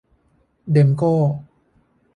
เด็มโก้